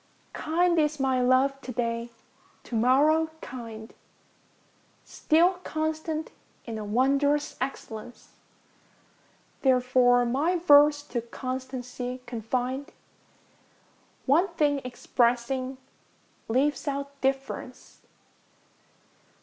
Kind is my love to day, to morrow kind, Still constant in a wondrous excellence; Therefore my verse to constancy confinŌĆÖd, One thing expressing, leaves out difference.